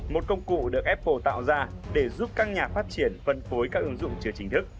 một công cụ được apple tạo ra để giúp các nhà phát triển phân phối các ứng dụng chưa chính thức